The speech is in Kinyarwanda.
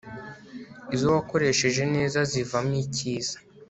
izo wakoresheje neza zivamo icyiza